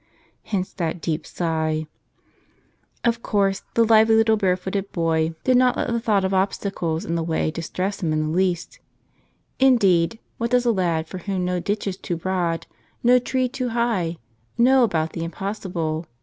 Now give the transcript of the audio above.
Hence that deep sigh. Of course, the lively little barefooted boy did not 53 'Yell Us A nother !" let the thought of obstacles in the way distress him in the least. Indeed, what does a lad for whom no ditch is too broad, no tree too high, know about the impossible?